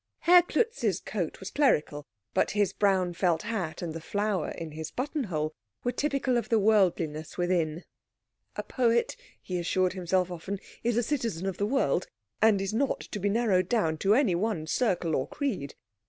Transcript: Herr Klutz's coat was clerical, but his brown felt hat and the flower in his buttonhole were typical of the worldliness within. "A poet," he assured himself often, "is a citizen of the world, and is not to be narrowed down to any one circle or creed."